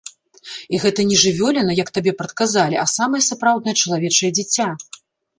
І гэта не жывёліна, як табе прадказалі, а самае сапраўднае чалавечае дзіця.